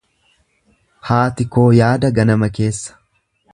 Haati koo yaada ganama keessa.